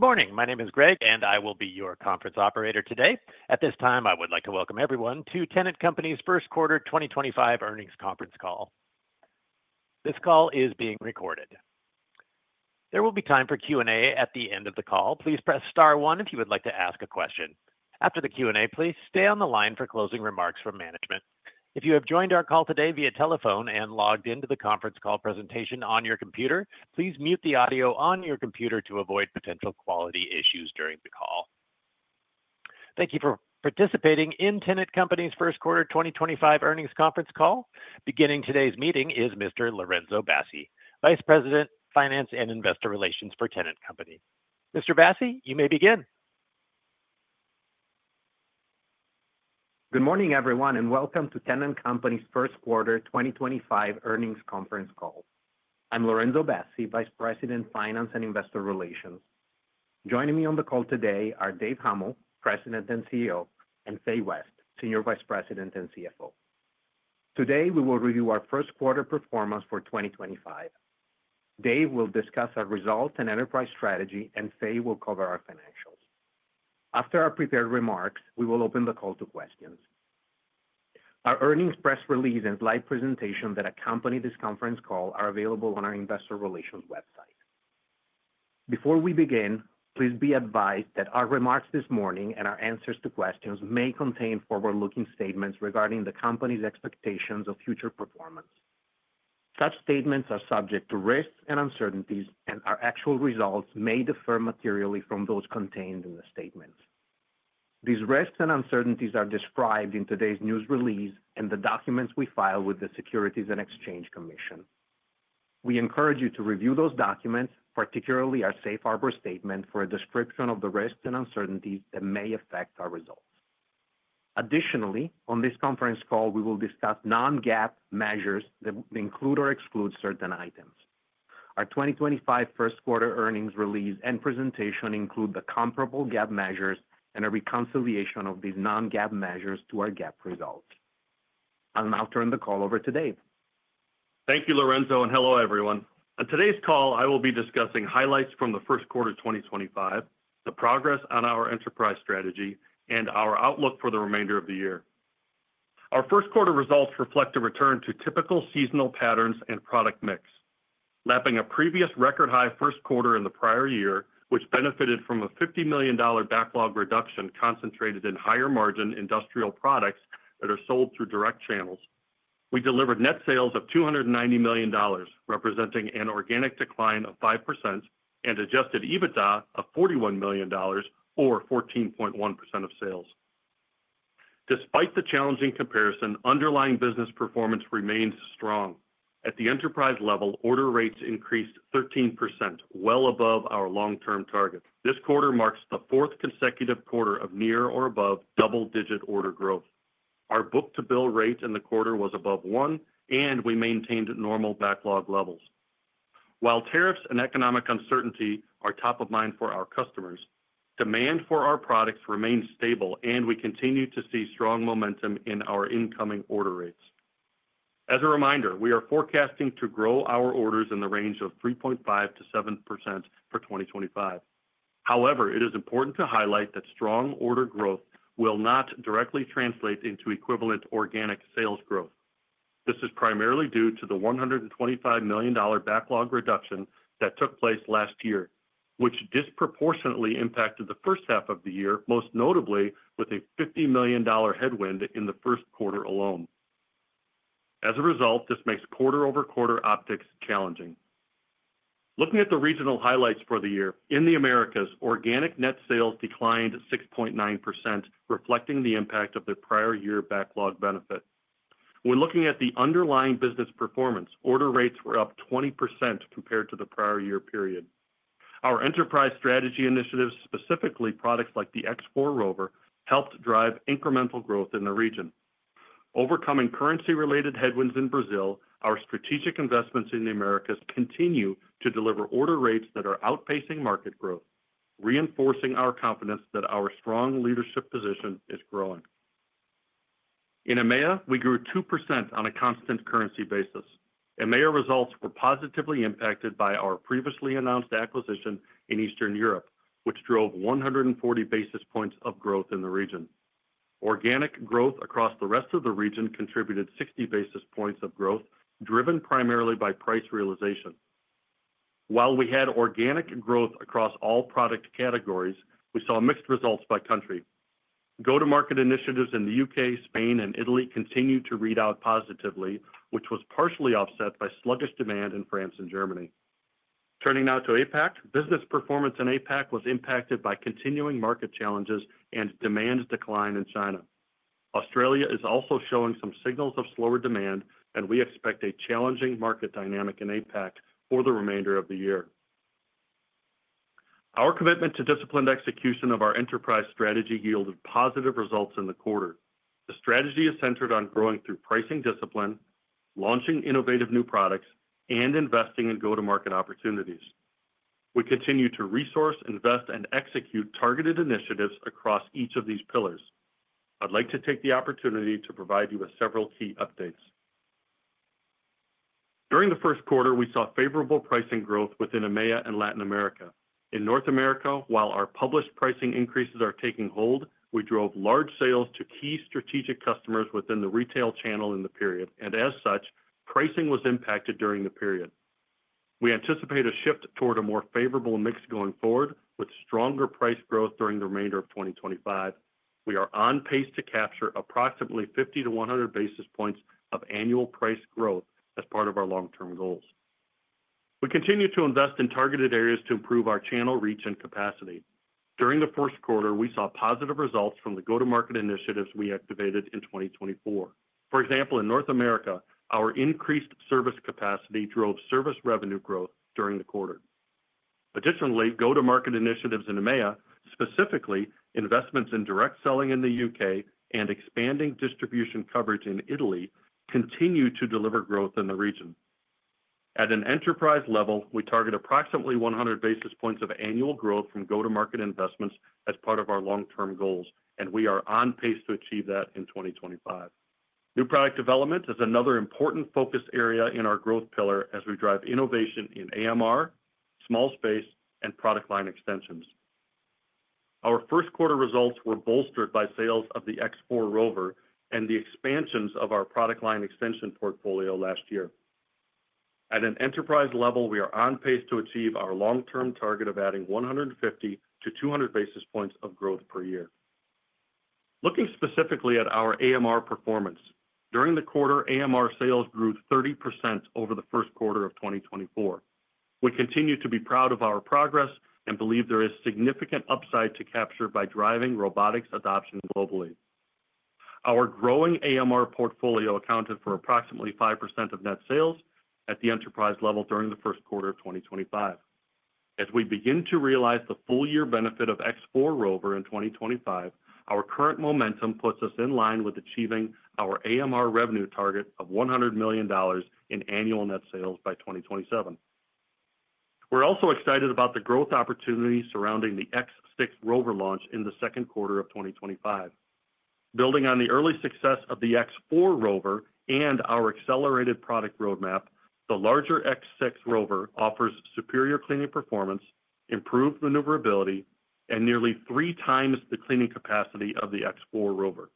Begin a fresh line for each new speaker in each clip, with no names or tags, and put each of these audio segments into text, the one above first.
Good morning. My name is Greg, and I will be your conference operator today. At this time, I would like to welcome everyone to Tennant Company's First Quarter 2025 Earnings Conference Call. This call is being recorded. There will be time for Q&A at the end of the call. Please press star one if you would like to ask a question. After the Q&A, please stay on the line for closing remarks from management. If you have joined our call today via telephone and logged into the conference call presentation on your computer, please mute the audio on your computer to avoid potential quality issues during the call. Thank you for participating in Tennant Company's First Quarter 2025 Earnings Conference Call. Beginning today's meeting is Mr. Lorenzo Bassi, Vice President, Finance and Investor Relations for Tennant Company. Mr. Bassi, you may begin.
Good morning, everyone, and welcome to Tennant Company's First Quarter 2025 Earnings Conference Call. I'm Lorenzo Bassi, Vice President, Finance and Investor Relations. Joining me on the call today are Dave Huml, President and CEO, and Fay West, Senior Vice President and CFO. Today, we will review our first quarter performance for 2025. Dave will discuss our results and enterprise strategy, and Fay will cover our financials. After our prepared remarks, we will open the call to questions. Our earnings press release and slide presentation that accompany this conference call are available on our Investor Relations website. Before we begin, please be advised that our remarks this morning and our answers to questions may contain forward-looking statements regarding the company's expectations of future performance. Such statements are subject to risks and uncertainties, and our actual results may differ materially from those contained in the statements. These risks and uncertainties are described in today's news release and the documents we filed with the Securities and Exchange Commission. We encourage you to review those documents, particularly our safe harbor statement for a description of the risks and uncertainties that may affect our results. Additionally, on this conference call, we will discuss non-GAAP measures that include or exclude certain items. Our 2025 first quarter earnings release and presentation include the comparable GAAP measures and a reconciliation of these non-GAAP measures to our GAAP results. I'll now turn the call over to Dave.
Thank you, Lorenzo, and hello, everyone. On today's call, I will be discussing highlights from the first quarter 2025, the progress on our enterprise strategy, and our outlook for the remainder of the year. Our first quarter results reflect a return to typical seasonal patterns and product mix, lapping a previous record high first quarter in the prior year, which benefited from a $50 million backlog reduction concentrated in higher margin industrial products that are sold through direct channels. We delivered net sales of $290 million, representing an organic decline of 5%, and adjusted EBITDA of $41 million, or 14.1% of sales. Despite the challenging comparison, underlying business performance remains strong. At the enterprise level, order rates increased 13%, well above our long-term target. This quarter marks the fourth consecutive quarter of near or above double-digit order growth. Our book-to-bill rate in the quarter was above one, and we maintained normal backlog levels. While tariffs and economic uncertainty are top of mind for our customers, demand for our products remains stable, and we continue to see strong momentum in our incoming order rates. As a reminder, we are forecasting to grow our orders in the range of 3.5%-7% for 2025. However, it is important to highlight that strong order growth will not directly translate into equivalent organic sales growth. This is primarily due to the $125 million backlog reduction that took place last year, which disproportionately impacted the first half of the year, most notably with a $50 million headwind in the first quarter alone. As a result, this makes quarter-over-quarter optics challenging. Looking at the regional highlights for the year, in the Americas, organic net sales declined 6.9%, reflecting the impact of the prior year backlog benefit. When looking at the underlying business performance, order rates were up 20% compared to the prior year period. Our enterprise strategy initiatives, specifically products like the X4 ROVR helped drive incremental growth in the region. Overcoming currency-related headwinds in Brazil, our strategic investments in the Americas continue to deliver order rates that are outpacing market growth, reinforcing our confidence that our strong leadership position is growing. In EMEA, we grew 2% on a constant currency basis. EMEA results were positively impacted by our previously announced acquisition in Eastern Europe, which drove 140 basis points of growth in the region. Organic growth across the rest of the region contributed 60 basis points of growth, driven primarily by price realization. While we had organic growth across all product categories, we saw mixed results by country. Go-to-market initiatives in the U.K., Spain, and Italy continued to read out positively, which was partially offset by sluggish demand in France and Germany. Turning now to APAC, business performance in APAC was impacted by continuing market challenges and demand decline in China. Australia is also showing some signals of slower demand, and we expect a challenging market dynamic in APAC for the remainder of the year. Our commitment to disciplined execution of our enterprise strategy yielded positive results in the quarter. The strategy is centered on growing through pricing discipline, launching innovative new products, and investing in go-to-market opportunities. We continue to resource, invest, and execute targeted initiatives across each of these pillars. I'd like to take the opportunity to provide you with several key updates. During the first quarter, we saw favorable pricing growth within EMEA and Latin America. In North America, while our published pricing increases are taking hold, we drove large sales to key strategic customers within the retail channel in the period, and as such, pricing was impacted during the period. We anticipate a shift toward a more favorable mix going forward, with stronger price growth during the remainder of 2025. We are on pace to capture approximately 50-100 basis points of annual price growth as part of our long-term goals. We continue to invest in targeted areas to improve our channel reach and capacity. During the first quarter, we saw positive results from the go-to-market initiatives we activated in 2024. For example, in North America, our increased service capacity drove service revenue growth during the quarter. Additionally, go-to-market initiatives in EMEA, specifically investments in direct selling in the U.K. and expanding distribution coverage in Italy, continue to deliver growth in the region. At an enterprise level, we target approximately 100 basis points of annual growth from go-to-market investments as part of our long-term goals, and we are on pace to achieve that in 2025. New product development is another important focus area in our growth pillar as we drive innovation in AMR, small space, and product line extensions. Our first quarter results were bolstered by sales of the X4 ROVR and the expansions of our product line extension portfolio last year. At an enterprise level, we are on pace to achieve our long-term target of adding 150-200 basis points of growth per year. Looking specifically at our AMR performance, during the quarter, AMR sales grew 30% over the first quarter of 2024. We continue to be proud of our progress and believe there is significant upside to capture by driving robotics adoption globally. Our growing AMR portfolio accounted for approximately 5% of net sales at the enterprise level during the first quarter of 2025. As we begin to realize the full-year benefit of X4 ROVR in 2025, our current momentum puts us in line with achieving our AMR revenue target of $100 million in annual net sales by 2027. We're also excited about the growth opportunity surrounding the X6 ROVR launch in the second quarter of 2025. Building on the early success of the X4 ROVR and our accelerated product roadmap, the larger X6 ROVR offers superior cleaning performance, improved maneuverability, and nearly three times the cleaning capacity of the X4 ROVR.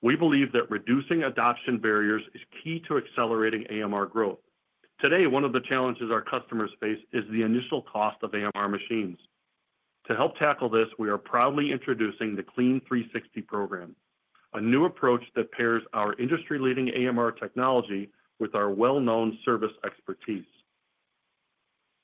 We believe that reducing adoption barriers is key to accelerating AMR growth. Today, one of the challenges our customers face is the initial cost of AMR machines. To help tackle this, we are proudly introducing the Clean 360 program, a new approach that pairs our industry-leading AMR technology with our well-known service expertise.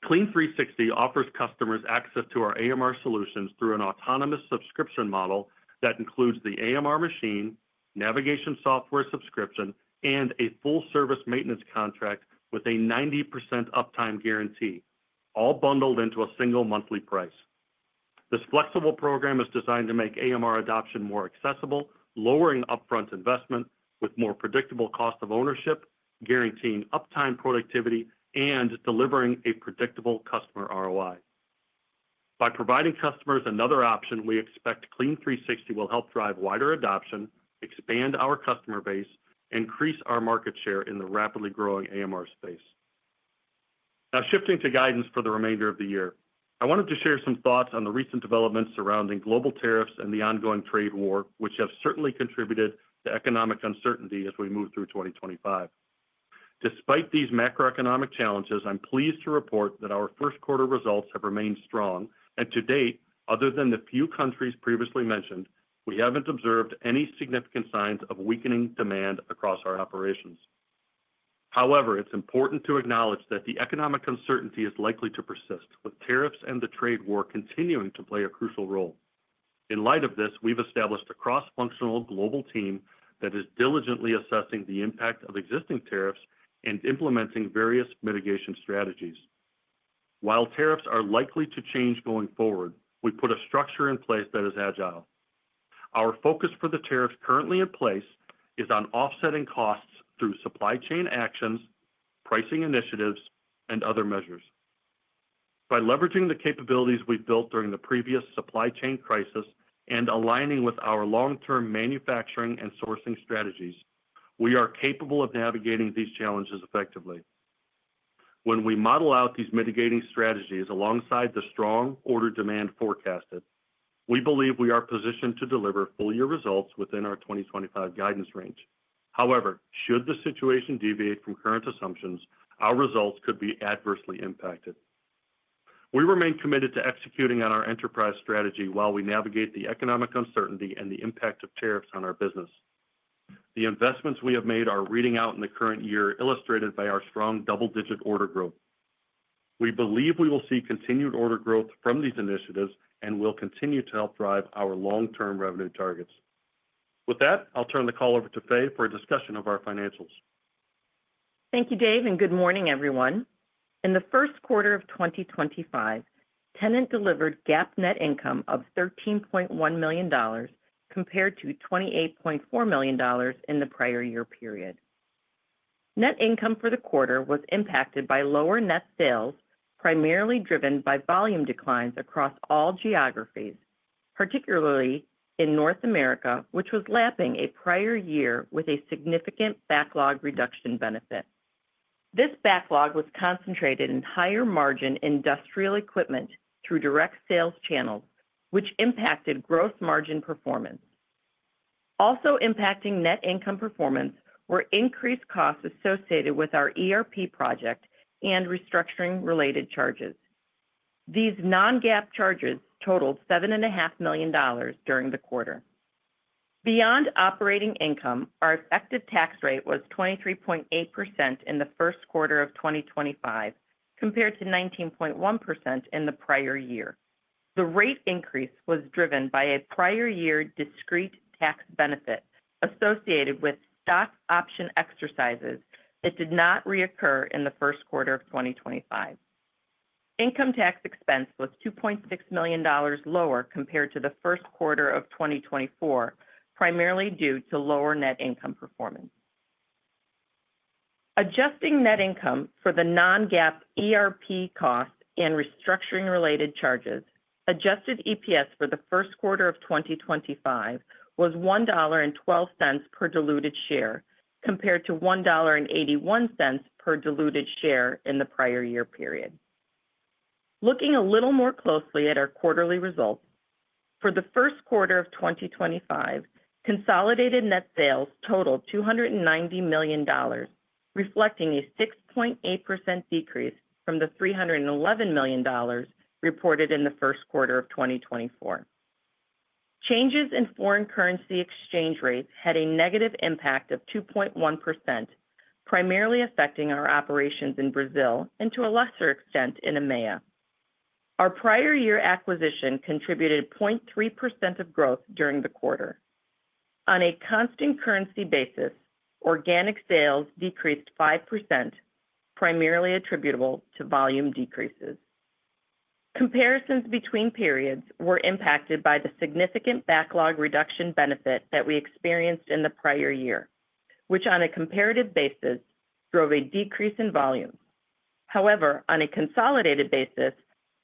Clean 360 offers customers access to our AMR solutions through an autonomous subscription model that includes the AMR machine, navigation software subscription, and a full-service maintenance contract with a 90% uptime guarantee, all bundled into a single monthly price. This flexible program is designed to make AMR adoption more accessible, lowering upfront investment with more predictable cost of ownership, guaranteeing uptime productivity, and delivering a predictable customer ROI. By providing customers another option, we expect Clean 360 will help drive wider adoption, expand our customer base, and increase our market share in the rapidly growing AMR space. Now, shifting to guidance for the remainder of the year, I wanted to share some thoughts on the recent developments surrounding global tariffs and the ongoing trade war, which have certainly contributed to economic uncertainty as we move through 2025. Despite these macroeconomic challenges, I'm pleased to report that our first quarter results have remained strong, and to date, other than the few countries previously mentioned, we haven't observed any significant signs of weakening demand across our operations. However, it's important to acknowledge that the economic uncertainty is likely to persist, with tariffs and the trade war continuing to play a crucial role. In light of this, we've established a cross-functional global team that is diligently assessing the impact of existing tariffs and implementing various mitigation strategies. While tariffs are likely to change going forward, we put a structure in place that is agile. Our focus for the tariffs currently in place is on offsetting costs through supply chain actions, pricing initiatives, and other measures. By leveraging the capabilities we've built during the previous supply chain crisis and aligning with our long-term manufacturing and sourcing strategies, we are capable of navigating these challenges effectively. When we model out these mitigating strategies alongside the strong order demand forecasted, we believe we are positioned to deliver full-year results within our 2025 guidance range. However, should the situation deviate from current assumptions, our results could be adversely impacted. We remain committed to executing on our enterprise strategy while we navigate the economic uncertainty and the impact of tariffs on our business. The investments we have made are reading out in the current year, illustrated by our strong double-digit order growth. We believe we will see continued order growth from these initiatives and will continue to help drive our long-term revenue targets. With that, I'll turn the call over to Fay for a discussion of our financials.
Thank you, Dave, and good morning, everyone. In the first quarter of 2025, Tennant delivered GAAP net income of $13.1 million compared to $28.4 million in the prior year period. Net income for the quarter was impacted by lower net sales, primarily driven by volume declines across all geographies, particularly in North America, which was lapping a prior year with a significant backlog reduction benefit. This backlog was concentrated in higher margin industrial equipment through direct sales channels, which impacted gross margin performance. Also impacting net income performance were increased costs associated with our ERP project and restructuring-related charges. These non-GAAP charges totaled $7.5 million during the quarter. Beyond operating income, our effective tax rate was 23.8% in the first quarter of 2025, compared to 19.1% in the prior year. The rate increase was driven by a prior year discrete tax benefit associated with stock option exercises that did not reoccur in the first quarter of 2025. Income tax expense was $2.6 million lower compared to the first quarter of 2024, primarily due to lower net income performance. Adjusting net income for the non-GAAP ERP costs and restructuring-related charges, adjusted EPS for the first quarter of 2025 was $1.12 per diluted share, compared to $1.81 per diluted share in the prior year period. Looking a little more closely at our quarterly results, for the first quarter of 2025, consolidated net sales totaled $290 million, reflecting a 6.8% decrease from the $311 million reported in the first quarter of 2024. Changes in foreign currency exchange rates had a negative impact of 2.1%, primarily affecting our operations in Brazil and to a lesser extent in EMEA. Our prior year acquisition contributed 0.3% of growth during the quarter. On a constant currency basis, organic sales decreased 5%, primarily attributable to volume decreases. Comparisons between periods were impacted by the significant backlog reduction benefit that we experienced in the prior year, which on a comparative basis drove a decrease in volume. However, on a consolidated basis,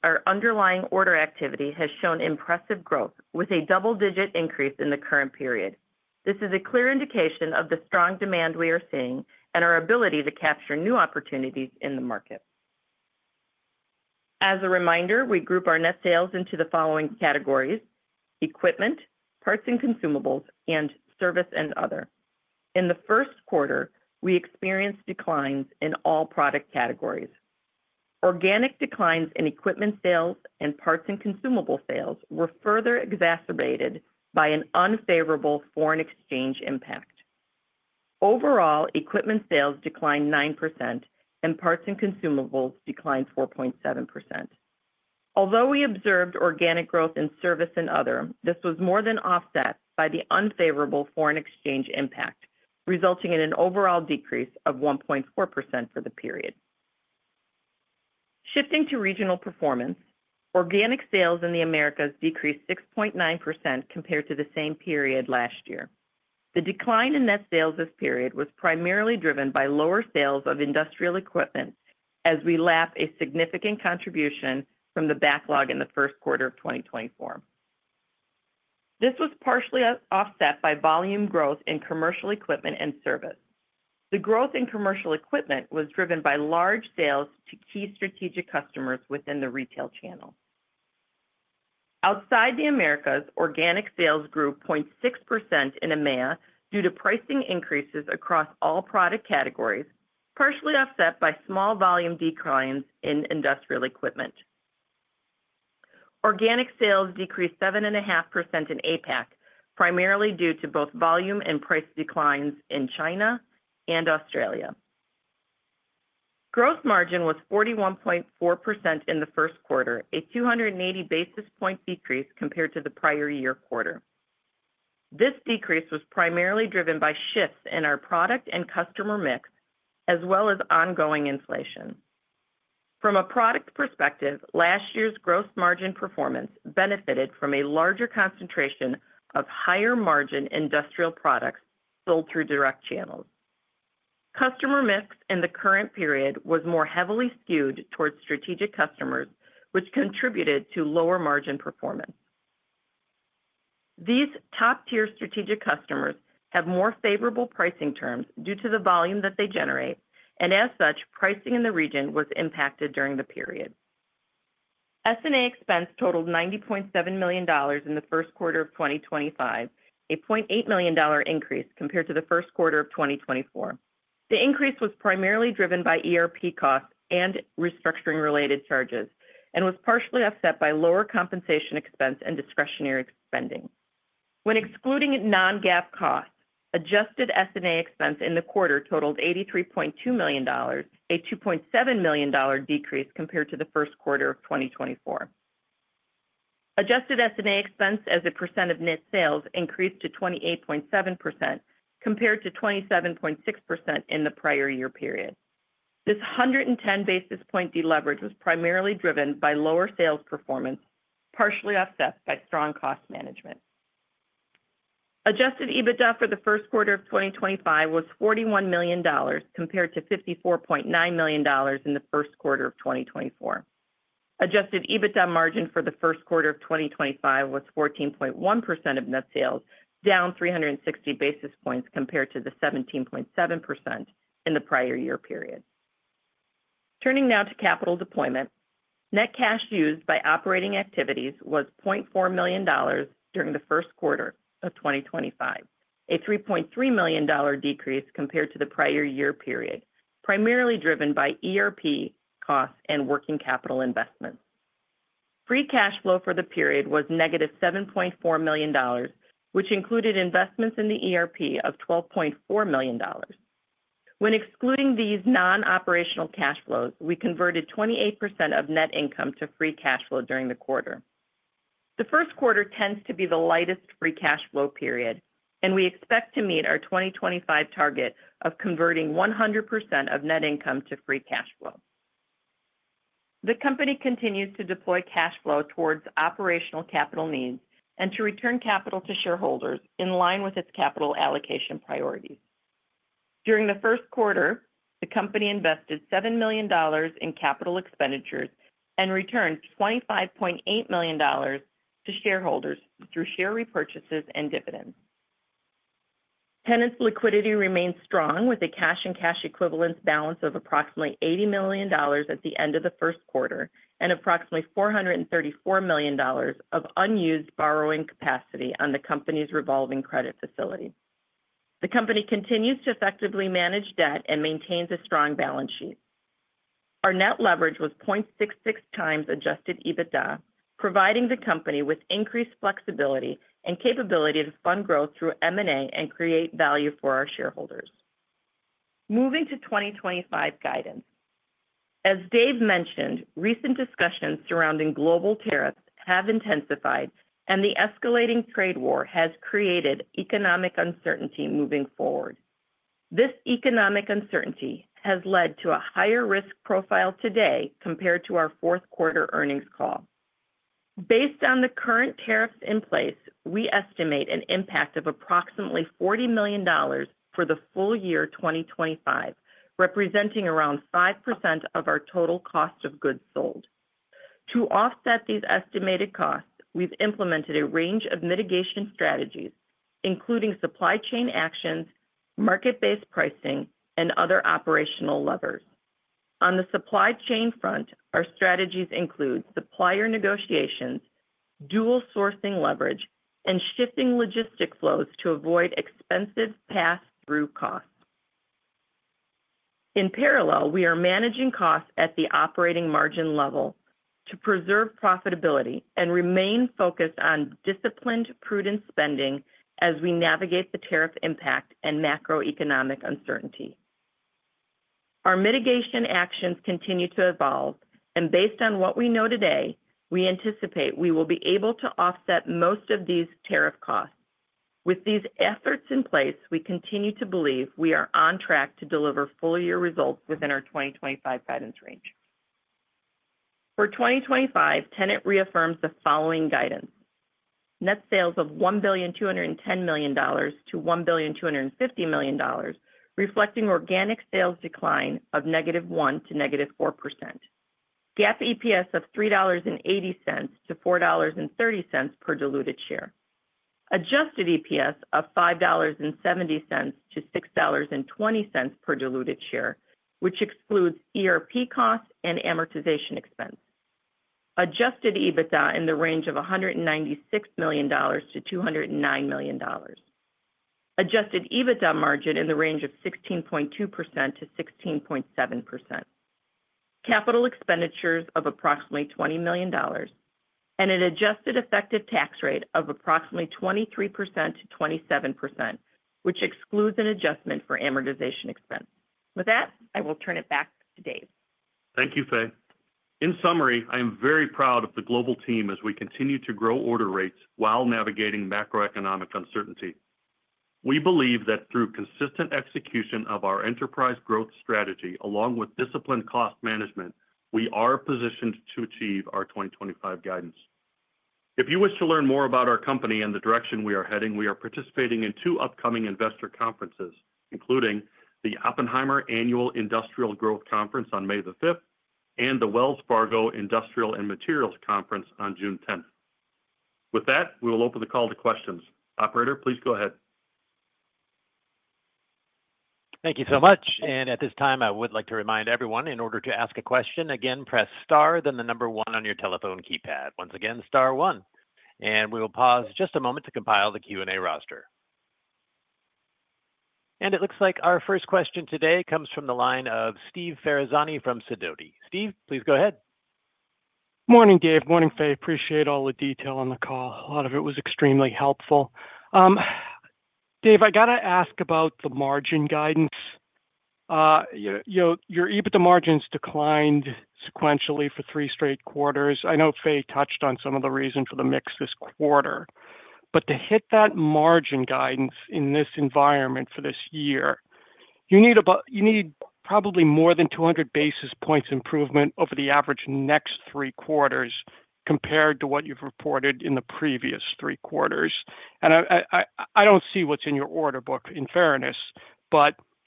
our underlying order activity has shown impressive growth, with a double-digit increase in the current period. This is a clear indication of the strong demand we are seeing and our ability to capture new opportunities in the market. As a reminder, we group our net sales into the following categories: equipment, parts and consumables, and service and other. In the first quarter, we experienced declines in all product categories. Organic declines in equipment sales and parts and consumable sales were further exacerbated by an unfavorable foreign exchange impact. Overall, equipment sales declined 9%, and parts and consumables declined 4.7%. Although we observed organic growth in service and other, this was more than offset by the unfavorable foreign exchange impact, resulting in an overall decrease of 1.4% for the period. Shifting to regional performance, organic sales in the Americas decreased 6.9% compared to the same period last year. The decline in net sales this period was primarily driven by lower sales of industrial equipment, as we lap a significant contribution from the backlog in the first quarter of 2024. This was partially offset by volume growth in commercial equipment and service. The growth in commercial equipment was driven by large sales to key strategic customers within the retail channel. Outside the Americas, organic sales grew 0.6% in EMEA due to pricing increases across all product categories, partially offset by small volume declines in industrial equipment. Organic sales decreased 7.5% in APAC, primarily due to both volume and price declines in China and Australia. Gross margin was 41.4% in the first quarter, a 280 basis point decrease compared to the prior year quarter. This decrease was primarily driven by shifts in our product and customer mix, as well as ongoing inflation. From a product perspective, last year's gross margin performance benefited from a larger concentration of higher margin industrial products sold through direct channels. Customer mix in the current period was more heavily skewed towards strategic customers, which contributed to lower margin performance. These top-tier strategic customers have more favorable pricing terms due to the volume that they generate, and as such, pricing in the region was impacted during the period. S&A expense totaled $90.7 million in the first quarter of 2025, a $0.8 million increase compared to the first quarter of 2024. The increase was primarily driven by ERP costs and restructuring-related charges and was partially offset by lower compensation expense and discretionary spending. When excluding non-GAAP costs, adjusted S&A expense in the quarter totaled $83.2 million, a $2.7 million decrease compared to the first quarter of 2024. Adjusted S&A expense as a percent of net sales increased to 28.7% compared to 27.6% in the prior year period. This 110 basis point deleverage was primarily driven by lower sales performance, partially offset by strong cost management. Adjusted EBITDA for the first quarter of 2025 was $41 million compared to $54.9 million in the first quarter of 2024. Adjusted EBITDA margin for the first quarter of 2025 was 14.1% of net sales, down 360 basis points compared to the 17.7% in the prior year period. Turning now to capital deployment, net cash used by operating activities was $0.4 million during the first quarter of 2025, a $3.3 million decrease compared to the prior year period, primarily driven by ERP costs and working capital investments. Free cash flow for the period was negative $7.4 million, which included investments in the ERP of $12.4 million. When excluding these non-operational cash flows, we converted 28% of net income to free cash flow during the quarter. The first quarter tends to be the lightest free cash flow period, and we expect to meet our 2025 target of converting 100% of net income to free cash flow. The company continues to deploy cash flow towards operational capital needs and to return capital to shareholders in line with its capital allocation priorities. During the first quarter, the company invested $7 million in capital expenditures and returned $25.8 million to shareholders through share repurchases and dividends. Tennant's liquidity remained strong, with a cash and cash equivalence balance of approximately $80 million at the end of the first quarter and approximately $434 million of unused borrowing capacity on the company's revolving credit facility. The company continues to effectively manage debt and maintains a strong balance sheet. Our net leverage was 0.66 times adjusted EBITDA, providing the company with increased flexibility and capability to fund growth through M&A and create value for our shareholders. Moving to 2025 guidance. As Dave mentioned, recent discussions surrounding global tariffs have intensified, and the escalating trade war has created economic uncertainty moving forward. This economic uncertainty has led to a higher risk profile today compared to our fourth quarter earnings call. Based on the current tariffs in place, we estimate an impact of approximately $40 million for the full year 2025, representing around 5% of our total cost of goods sold. To offset these estimated costs, we've implemented a range of mitigation strategies, including supply chain actions, market-based pricing, and other operational levers. On the supply chain front, our strategies include supplier negotiations, dual sourcing leverage, and shifting logistic flows to avoid expensive pass-through costs. In parallel, we are managing costs at the operating margin level to preserve profitability and remain focused on disciplined, prudent spending as we navigate the tariff impact and macroeconomic uncertainty. Our mitigation actions continue to evolve, and based on what we know today, we anticipate we will be able to offset most of these tariff costs. With these efforts in place, we continue to believe we are on track to deliver full-year results within our 2025 guidance range. For 2025, Tennant reaffirms the following guidance: net sales of $1,210 million-$1,250 million, reflecting organic sales decline of -1% to -4%, GAAP EPS of $3.80-$4.30 per diluted share, adjusted EPS of $5.70-$6.20 per diluted share, which excludes ERP costs and amortization expense, adjusted EBITDA in the range of $196 million-$209 million, adjusted EBITDA margin in the range of 16.2%-16.7%, capital expenditures of approximately $20 million, and an adjusted effective tax rate of approximately 23%-27%, which excludes an adjustment for amortization expense. With that, I will turn it back to Dave.
Thank you, Fay. In summary, I am very proud of the global team as we continue to grow order rates while navigating macroeconomic uncertainty. We believe that through consistent execution of our enterprise growth strategy, along with disciplined cost management, we are positioned to achieve our 2025 guidance. If you wish to learn more about our company and the direction we are heading, we are participating in two upcoming investor conferences, including the Oppenheimer Annual Industrial Growth Conference on May the 5th and the Wells Fargo Industrial and Materials Conference on June 10th. With that, we will open the call to questions. Operator, please go ahead.
Thank you so much. At this time, I would like to remind everyone in order to ask a question, again, press star, then the number one on your telephone keypad. Once again, star one. We will pause just a moment to compile the Q&A roster. It looks like our first question today comes from the line of Steve Ferazani from Sidoti. Steve, please go ahead.
Morning, Dave. Morning, Fay. Appreciate all the detail on the call. A lot of it was extremely helpful. Dave, I got to ask about the margin guidance. Your EBITDA margins declined sequentially for three straight quarters. I know Fay touched on some of the reason for the mix this quarter. To hit that margin guidance in this environment for this year, you need probably more than 200 basis points improvement over the average next three quarters compared to what you've reported in the previous three quarters. I don't see what's in your order book, in fairness.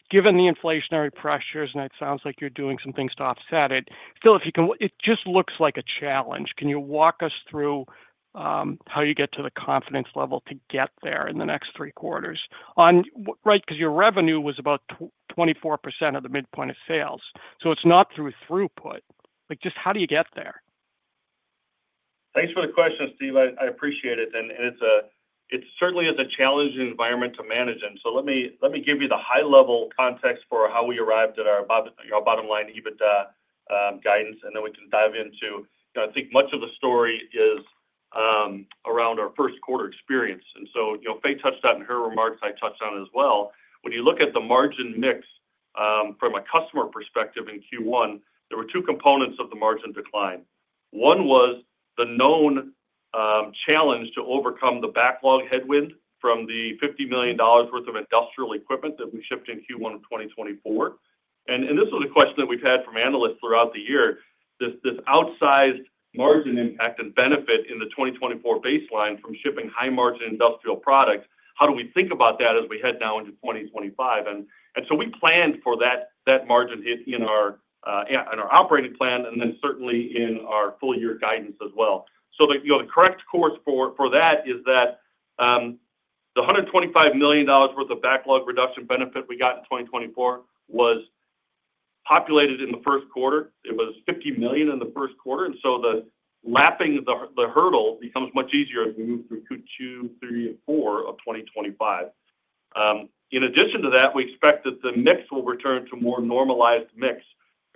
Given the inflationary pressures, and it sounds like you're doing some things to offset it, still, if you can, it just looks like a challenge. Can you walk us through how you get to the confidence level to get there in the next three quarters? Right, because your revenue was about 24% of the midpoint of sales. It is not through throughput. Just how do you get there?
Thanks for the question, Steve. I appreciate it. It certainly is a challenging environment to manage. Let me give you the high-level context for how we arrived at our bottom-line EBITDA guidance, and then we can dive into I think much of the story is around our first quarter experience. Fay touched on it in her remarks. I touched on it as well. When you look at the margin mix from a customer perspective in Q1, there were two components of the margin decline. One was the known challenge to overcome the backlog headwind from the $50 million worth of industrial equipment that we shipped in Q1 of 2024. This was a question that we have had from analysts throughout the year. This outsized margin impact and benefit in the 2024 baseline from shipping high-margin industrial products, how do we think about that as we head now into 2025? We planned for that margin hit in our operating plan and then certainly in our full-year guidance as well. The correct course for that is that the $125 million worth of backlog reduction benefit we got in 2024 was populated in the first quarter. It was $50 million in the first quarter. Lapping the hurdle becomes much easier as we move through Q2, Q3, and Q4 of 2025. In addition to that, we expect that the mix will return to a more normalized mix,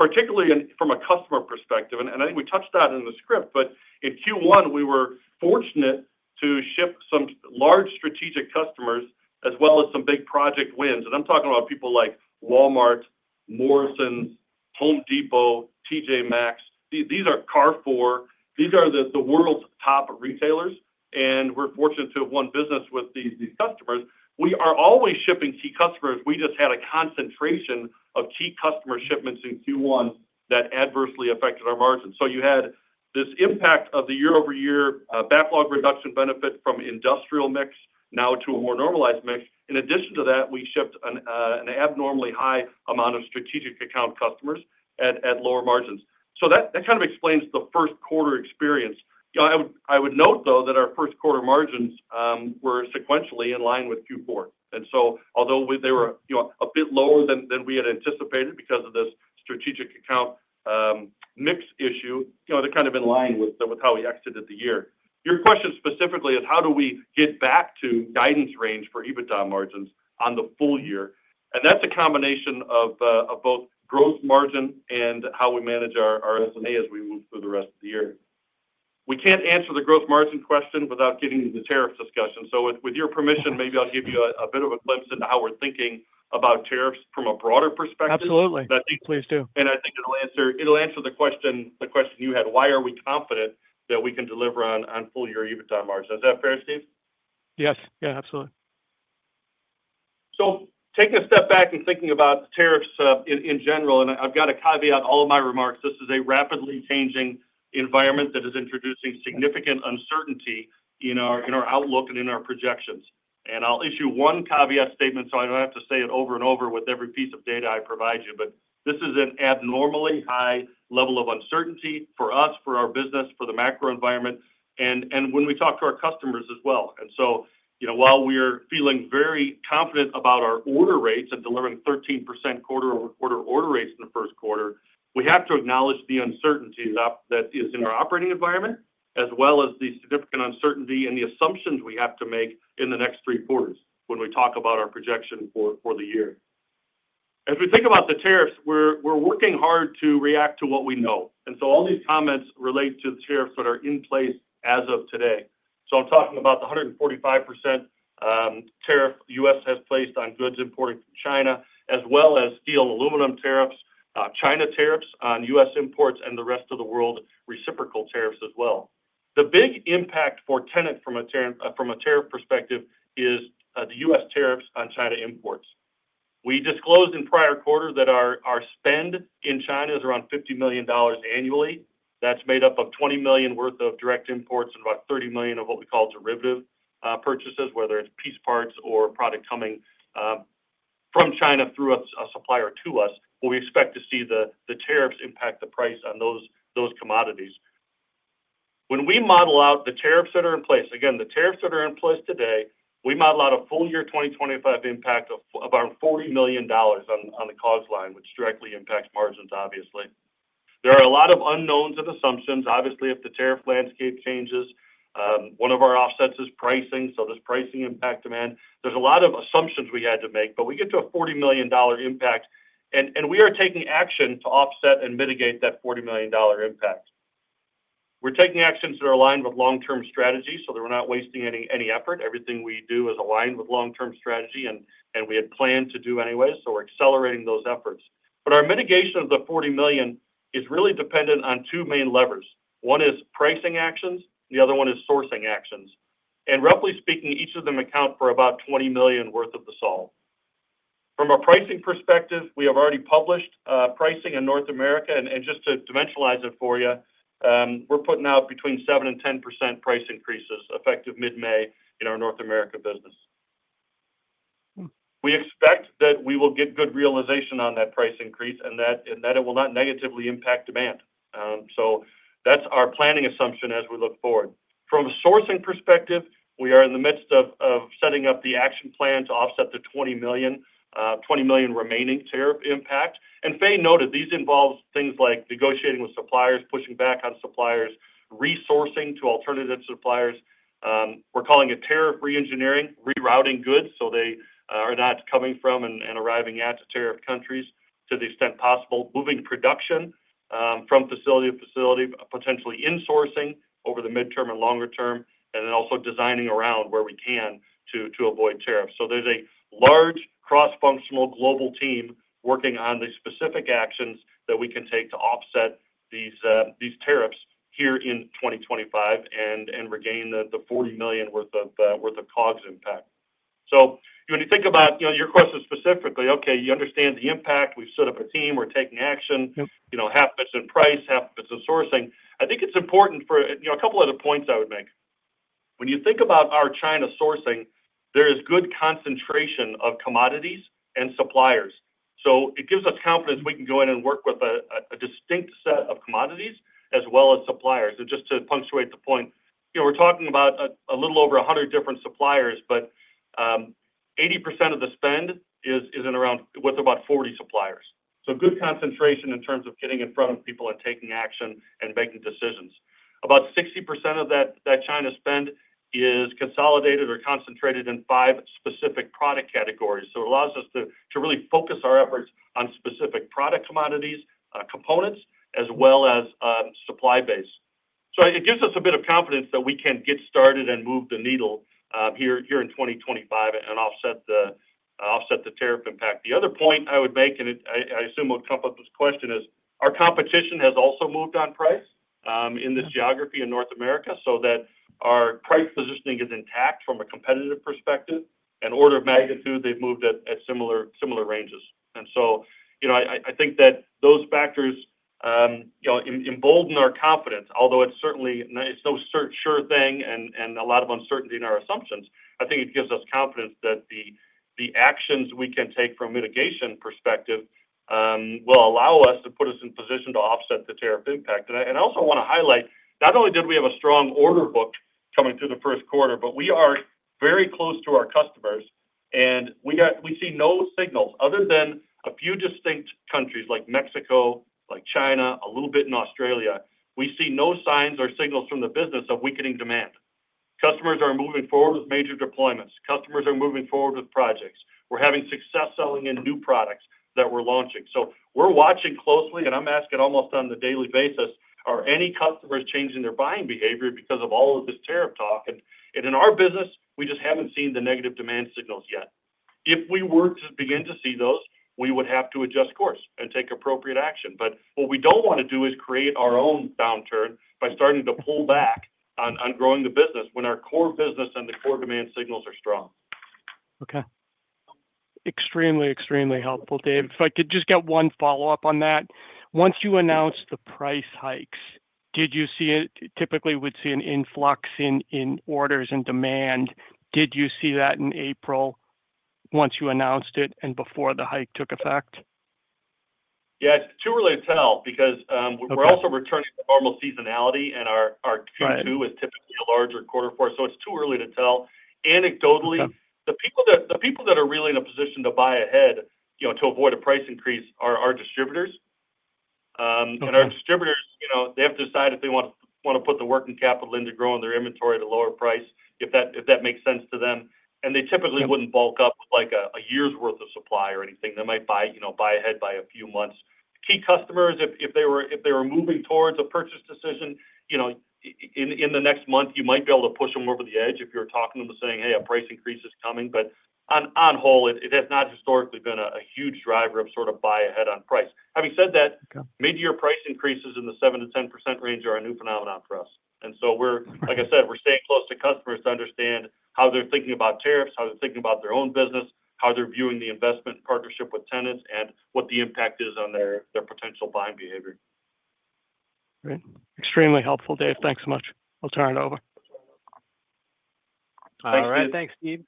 particularly from a customer perspective. I think we touched on it in the script, but in Q1, we were fortunate to ship some large strategic customers as well as some big project wins. I'm talking about people like Walmart, Morrisons, Home Depot, T.J.Maxx. These are Carrefour. These are the world's top retailers. We're fortunate to have won business with these customers. We are always shipping key customers. We just had a concentration of key customer shipments in Q1 that adversely affected our margins. You had this impact of the year-over-year backlog reduction benefit from industrial mix now to a more normalized mix. In addition to that, we shipped an abnormally high amount of strategic account customers at lower margins. That kind of explains the first quarter experience. I would note, though, that our first quarter margins were sequentially in line with Q4. Although they were a bit lower than we had anticipated because of this strategic account mix issue, they're kind of in line with how we exited the year. Your question specifically is, how do we get back to guidance range for EBITDA margins on the full year? That is a combination of both growth margin and how we manage our S&A as we move through the rest of the year. We cannot answer the growth margin question without getting into the tariff discussion. With your permission, maybe I will give you a bit of a glimpse into how we are thinking about tariffs from a broader perspective. Absolutely. Please do. I think it will answer the question you had, why are we confident that we can deliver on full-year EBITDA margins. Is that fair, Steve?
Yes. Yeah, absolutely.
Taking a step back and thinking about tariffs in general, I have to caveat all of my remarks. This is a rapidly changing environment that is introducing significant uncertainty in our outlook and in our projections. I'll issue one caveat statement so I don't have to say it over and over with every piece of data I provide you, but this is an abnormally high level of uncertainty for us, for our business, for the macro environment, and when we talk to our customers as well. While we are feeling very confident about our order rates and delivering 13% quarter-over-quarter order rates in the first quarter, we have to acknowledge the uncertainty that is in our operating environment, as well as the significant uncertainty in the assumptions we have to make in the next three quarters when we talk about our projection for the year. As we think about the tariffs, we're working hard to react to what we know. All these comments relate to the tariffs that are in place as of today. I'm talking about the 145% tariff the U.S. has placed on goods imported from China, as well as steel and aluminum tariffs, China tariffs on U.S. imports, and the rest of the world reciprocal tariffs as well. The big impact for Tennant from a tariff perspective is the U.S. tariffs on China imports. We disclosed in prior quarter that our spend in China is around $50 million annually. That's made up of $20 million worth of direct imports and about $30 million of what we call derivative purchases, whether it's piece parts or product coming from China through a supplier to us. We expect to see the tariffs impact the price on those commodities. When we model out the tariffs that are in place, again, the tariffs that are in place today, we model out a full-year 2025 impact of around $40 million on the cost line, which directly impacts margins, obviously. There are a lot of unknowns and assumptions. Obviously, if the tariff landscape changes, one of our offsets is pricing. Pricing impacts demand. There are a lot of assumptions we had to make, but we get to a $40 million impact, and we are taking action to offset and mitigate that $40 million impact. We are taking actions that are aligned with long-term strategy so that we are not wasting any effort. Everything we do is aligned with long-term strategy, and we had planned to do anyway, so we are accelerating those efforts. Our mitigation of the $40 million is really dependent on two main levers. One is pricing actions. The other one is sourcing actions. Roughly speaking, each of them account for about $20 million worth of the SOL. From a pricing perspective, we have already published pricing in North America. Just to dementialize it for you, we're putting out between 7%-10% price increases effective mid-May in our North America business. We expect that we will get good realization on that price increase and that it will not negatively impact demand. That is our planning assumption as we look forward. From a sourcing perspective, we are in the midst of setting up the action plan to offset the $20 million remaining tariff impact. Fay noted these involve things like negotiating with suppliers, pushing back on suppliers, resourcing to alternative suppliers. We're calling it tariff re-engineering, rerouting goods so they are not coming from and arriving at tariff countries to the extent possible, moving production from facility to facility, potentially insourcing over the midterm and longer term, and then also designing around where we can to avoid tariffs. There is a large cross-functional global team working on the specific actions that we can take to offset these tariffs here in 2025 and regain the $40 million worth of cause impact. When you think about your question specifically, okay, you understand the impact. We've set up a team. We're taking action. Half of it's in price. Half of it's in sourcing. I think it's important for a couple of other points I would make. When you think about our China sourcing, there is good concentration of commodities and suppliers. It gives us confidence we can go in and work with a distinct set of commodities as well as suppliers. Just to punctuate the point, we're talking about a little over 100 different suppliers, but 80% of the spend is with about 40 suppliers. Good concentration in terms of getting in front of people and taking action and making decisions. About 60% of that China spend is consolidated or concentrated in five specific product categories. It allows us to really focus our efforts on specific product commodities, components, as well as supply base. It gives us a bit of confidence that we can get started and move the needle here in 2025 and offset the tariff impact. The other point I would make, and I assume it would come up as a question, is our competition has also moved on price in this geography in North America so that our price positioning is intact from a competitive perspective. Order of magnitude, they've moved at similar ranges. I think that those factors embolden our confidence, although it's no sure thing and a lot of uncertainty in our assumptions. I think it gives us confidence that the actions we can take from a mitigation perspective will allow us to put us in position to offset the tariff impact. I also want to highlight, not only did we have a strong order book coming through the first quarter, but we are very close to our customers. We see no signals other than a few distinct countries like Mexico, like China, a little bit in Australia. We see no signs or signals from the business of weakening demand. Customers are moving forward with major deployments. Customers are moving forward with projects. We're having success selling in new products that we're launching. We're watching closely, and I'm asking almost on a daily basis, are any customers changing their buying behavior because of all of this tariff talk? In our business, we just haven't seen the negative demand signals yet. If we were to begin to see those, we would have to adjust course and take appropriate action. What we don't want to do is create our own downturn by starting to pull back on growing the business when our core business and the core demand signals are strong.
Okay. Extremely, extremely helpful, Dave. If I could just get one follow-up on that. Once you announced the price hikes, did you typically see an influx in orders and demand? Did you see that in April once you announced it and before the hike took effect?
Yeah, it's too early to tell because we're also returning to normal seasonality, and our Q2 is typically a larger quarter for us. It's too early to tell. Anecdotally, the people that are really in a position to buy ahead to avoid a price increase are our distributors. Our distributors, they have to decide if they want to put the working capital into growing their inventory at a lower price, if that makes sense to them. They typically wouldn't bulk up with a year's worth of supply or anything. They might buy ahead by a few months. Key customers, if they were moving towards a purchase decision in the next month, you might be able to push them over the edge if you're talking to them and saying, "Hey, a price increase is coming." On whole, it has not historically been a huge driver of sort of buy ahead on price. Having said that, mid-year price increases in the 7%-10% range are a new phenomenon for us. Like I said, we're staying close to customers to understand how they're thinking about tariffs, how they're thinking about their own business, how they're viewing the investment partnership with Tennant, and what the impact is on their potential buying behavior.
Great. Extremely helpful, Dave. Thanks so much. I'll turn it over.
Thanks, Dave. Thanks, Steve.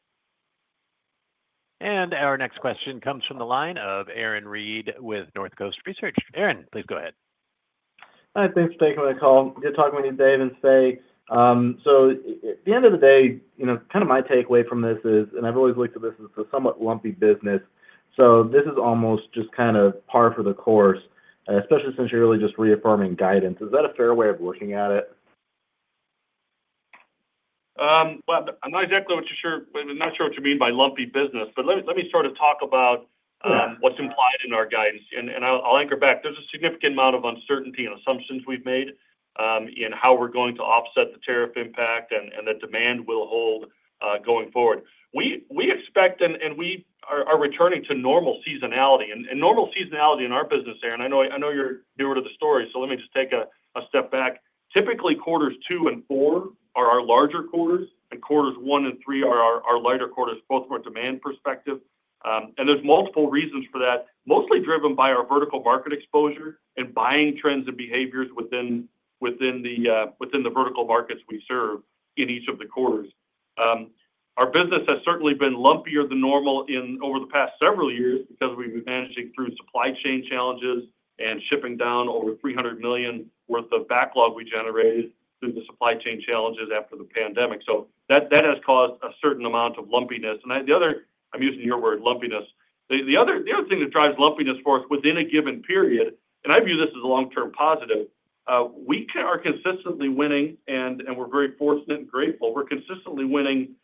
Our next question comes from the line of Aaron Reed with North Coast Research. Aaron, please go ahead. Hi.
Thanks for taking my call. Good talking with you, Dave and Fay. At the end of the day, kind of my takeaway from this is, and I've always looked at this as a somewhat lumpy business. This is almost just kind of par for the course, especially since you're really just reaffirming guidance. Is that a fair way of looking at it?
I'm not exactly sure what you mean by lumpy business, but let me sort of talk about what's implied in our guidance. I'll anchor back. There's a significant amount of uncertainty and assumptions we've made in how we're going to offset the tariff impact and that demand will hold going forward. We expect and we are returning to normal seasonality. Normal seasonality in our business, Aaron, I know you're newer to the story, so let me just take a step back. Typically, quarters two and four are our larger quarters, and quarters one and three are our lighter quarters, both from a demand perspective. There are multiple reasons for that, mostly driven by our vertical market exposure and buying trends and behaviors within the vertical markets we serve in each of the quarters. Our business has certainly been lumpier than normal over the past several years because we have been managing through supply chain challenges and shipping down over $300 million worth of backlog we generated through the supply chain challenges after the pandemic. That has caused a certain amount of lumpiness. The other—I am using your word—lumpiness. The other thing that drives lumpiness for us within a given period, and I view this as a long-term positive, we are consistently winning, and we are very fortunate and grateful. We're consistently winning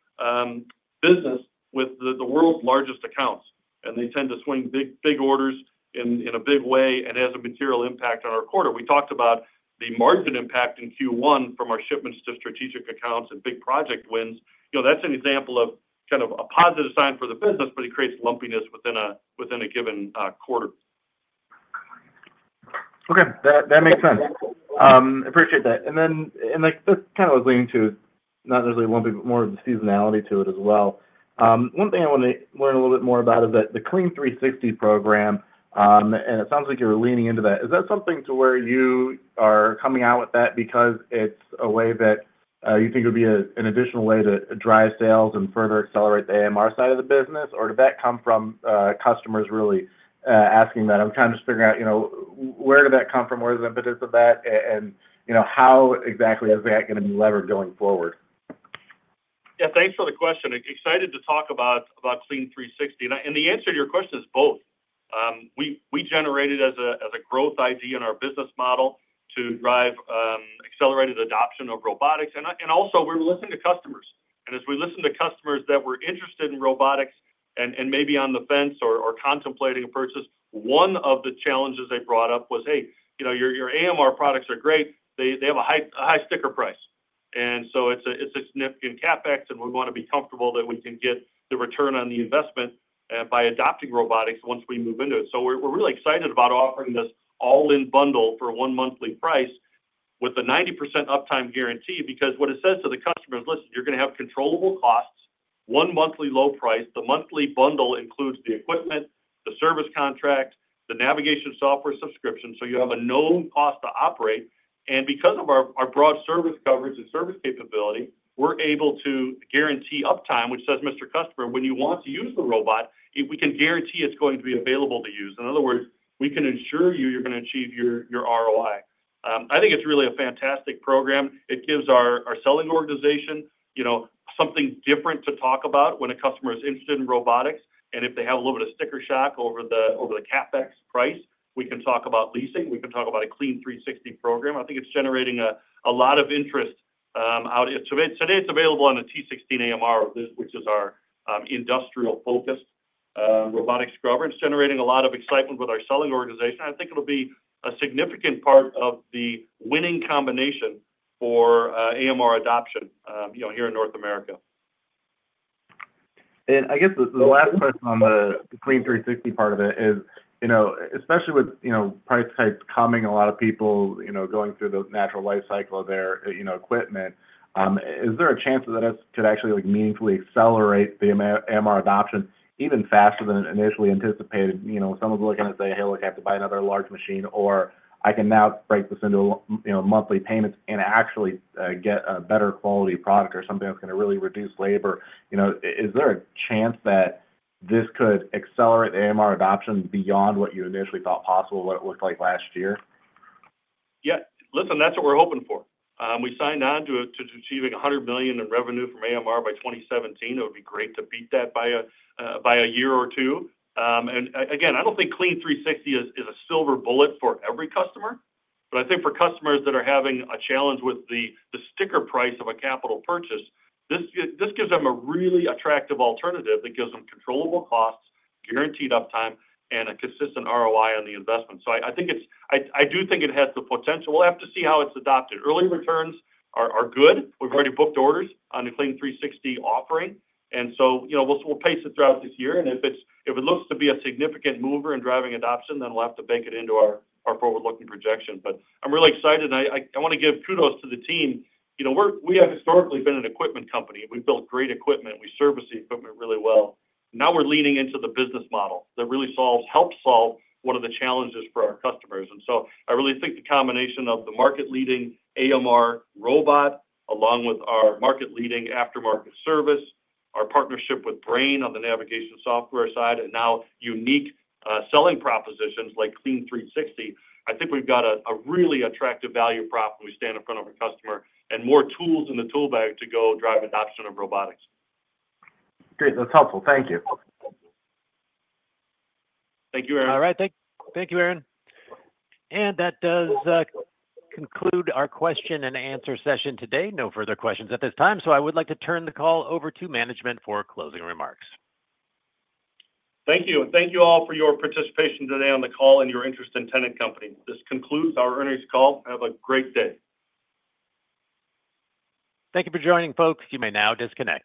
business with the world's largest accounts, and they tend to swing big orders in a big way and has a material impact on our quarter. We talked about the margin impact in Q1 from our shipments to strategic accounts and big project wins. That's an example of kind of a positive sign for the business, but it creates lumpiness within a given quarter.
Okay. That makes sense. I appreciate that. That kind of was leading to not necessarily lumpy, but more of the seasonality to it as well. One thing I want to learn a little bit more about is the Clean 360 program, and it sounds like you're leaning into that. Is that something to where you are coming out with that because it's a way that you think would be an additional way to drive sales and further accelerate the AMR side of the business? Or did that come from customers really asking that? I'm kind of just figuring out where did that come from, where's the impetus of that, and how exactly is that going to be levered going forward?
Yeah. Thanks for the question. Excited to talk about Clean 360. And the answer to your question is both. We generated as a growth idea in our business model to drive accelerated adoption of robotics. Also, we were listening to customers. As we listened to customers that were interested in robotics and maybe on the fence or contemplating a purchase, one of the challenges they brought up was, "Hey, your AMR products are great. They have a high sticker price. It is a significant CapEx, and we want to be comfortable that we can get the return on the investment by adopting robotics once we move into it. We are really excited about offering this all-in bundle for one monthly price with a 90% uptime guarantee because what it says to the customer is, "Listen, you are going to have controllable costs, one monthly low price. The monthly bundle includes the equipment, the service contract, the navigation software subscription, so you have a known cost to operate." Because of our broad service coverage and service capability, we are able to guarantee uptime, which says, "Mr. Customer, when you want to use the robot, we can guarantee it is going to be available to use." In other words, we can ensure you are going to achieve your ROI. I think it is really a fantastic program. It gives our selling organization something different to talk about when a customer is interested in robotics. If they have a little bit of sticker shock over the CapEx price, we can talk about leasing. We can talk about a Clean 360 program. I think it's generating a lot of interest. Today, it's available on the T16AMR, which is our industrial-focused robotics scrubber. It's generating a lot of excitement with our selling organization. I think it'll be a significant part of the winning combination for AMR adoption here in North America.
I guess the last question on the Clean 360 part of it is, especially with price hikes coming, a lot of people going through the natural life cycle of their equipment, is there a chance that this could actually meaningfully accelerate the AMR adoption even faster than initially anticipated? Someone's looking to say, "Hey, look, I have to buy another large machine," or, "I can now break this into monthly payments and actually get a better quality product or something that's going to really reduce labor." Is there a chance that this could accelerate the AMR adoption beyond what you initially thought possible, what it looked like last year?
Yeah. Listen, that's what we're hoping for. We signed on to achieving $100 million in revenue from AMR by 2017. It would be great to beat that by a year or two. I don't think Clean 360 is a silver bullet for every customer. I think for customers that are having a challenge with the sticker price of a capital purchase, this gives them a really attractive alternative that gives them controllable costs, guaranteed uptime, and a consistent ROI on the investment. I do think it has the potential. We'll have to see how it's adopted. Early returns are good. We've already booked orders on the Clean 360 offering. We'll pace it throughout this year. If it looks to be a significant mover in driving adoption, then we'll have to bake it into our forward-looking projection. I'm really excited. I want to give kudos to the team. We have historically been an equipment company. We've built great equipment. We service the equipment really well. Now we're leaning into the business model that really helps solve one of the challenges for our customers. I really think the combination of the market-leading AMR robot along with our market-leading aftermarket service, our partnership with Brain on the navigation software side, and now unique selling propositions like Clean 360, I think we've got a really attractive value prop when we stand in front of a customer and more tools in the toolbag to go drive adoption of robotics.
Great. That's helpful. Thank you.
Thank you, Aaron.
All right. Thank you, Aaron. That does conclude our question and answer session today. No further questions at this time. I would like to turn the call over to management for closing remarks.
Thank you. Thank you all for your participation today on the call and your interest in Tennant Company. This concludes our earnings call. Have a great day.
Thank you for joining, folks. You may now disconnect.